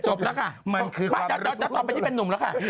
จบแล้วค่ะมาจะต่อไปที่เป็นนุมค่ะ